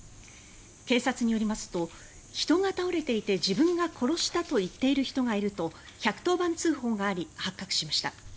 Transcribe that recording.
警察によりますと人が倒れていて自分が殺したと言っている人がいると１１０番通報があり発覚しました。